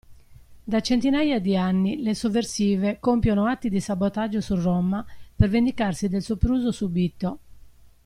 Da centinaia di anni le sovversive compiono atti di sabotaggio su Roma per vendicarsi del sopruso subito.